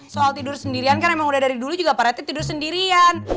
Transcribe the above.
soal tidur sendirian kan emang udah dari dulu juga padatnya tidur sendirian